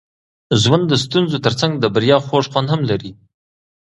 ژوند د ستونزو ترڅنګ د بریا خوږ خوند هم لري.